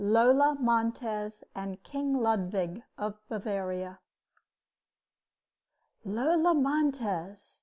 LOLA MONTEZ AND KING LUDWIG OF BAVARIA Lola Montez!